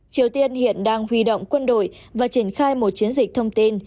triều tiên hiện đang huy động quân đội và triển khai một chiến dịch thông tin